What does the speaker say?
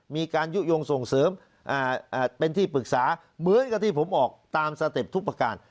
มีการยุโยงส่งเสริมเป็นที่ปรึกษาเหมือนกับที่ผมออกตามสเต็ปทุกประการ